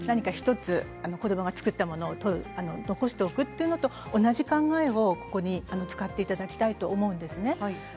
１つ子どもが作った物を残しておくというのと同じ考えをここで使っていただきたいと思います。